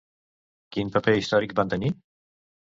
Quin paper històric van tenir?